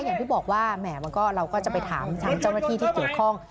อย่างพี่บอกว่าแหมทางเจ้าหัวที่ที่เกี่ยวข้อง